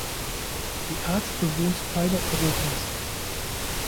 Die Art bewohnt Teile Europas.